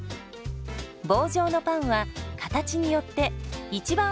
棒状のパンは形によって一番細いフィセル。